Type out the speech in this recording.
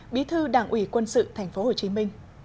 bí thư đảng ủy quân sự tp hcm